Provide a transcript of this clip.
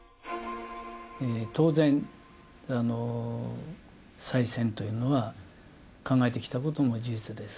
当然、再選というものは考えてきたことも事実です。